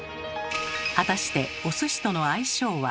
果たしてお寿司との相性は？